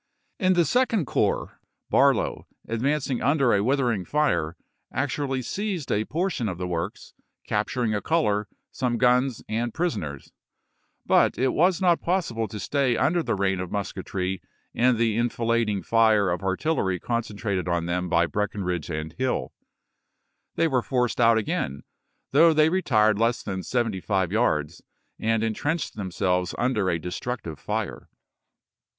In the Second Corps, Barlow, advancing under a wither ing fire, actually seized a portion of the works, capturing a color, some guns, and prisoners ; but it was not possible to stay under the rain of musketry and the enfilading fire of artillery concentrated on them by Breckinridge and HiU. They were forced out again, though they retired less than seventy five yards, and intrenched themselves under a destructive fire.